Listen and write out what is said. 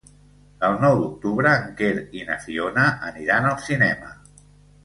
El nou d'octubre en Quer i na Fiona aniran al cinema.